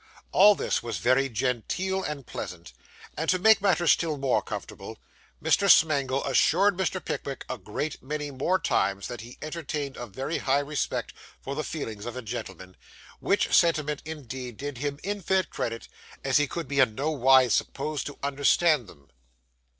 All this was very genteel and pleasant; and, to make matters still more comfortable, Mr. Smangle assured Mr. Pickwick a great many more times that he entertained a very high respect for the feelings of a gentleman; which sentiment, indeed, did him infinite credit, as he could be in no wise supposed to understand them.